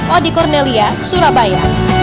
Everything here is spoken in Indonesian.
odi cornelia surabaya